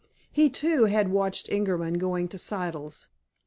He, too, had watched Ingerman going to Siddle's.